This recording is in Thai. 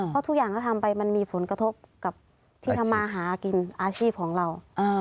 เพราะทุกอย่างถ้าทำไปมันมีผลกระทบกับที่ทำมาหากินอาชีพของเรา